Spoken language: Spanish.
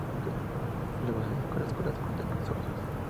Luego se dedicó a la escuela secundaria de sordos.